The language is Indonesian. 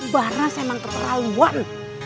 barnas emang keperaluan